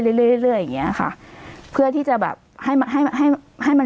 เรื่อยเรื่อยเรื่อยเรื่อยอย่างเงี้ยค่ะเพื่อที่จะแบบให้มันให้มันให้มัน